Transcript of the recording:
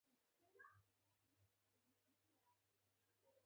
دوی خدای د ځان په څېر قیاس کاوه.